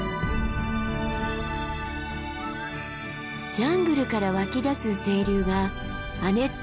ジャングルから湧き出す清流が亜熱帯の生き物を育む